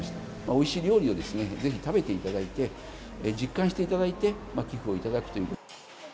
おいしい料理をぜひ食べていただいて、実感していただいて、寄付をいただくという。